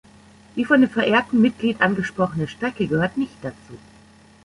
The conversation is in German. Die von dem verehrten Mitglied angesprochene Strecke gehört nicht dazu.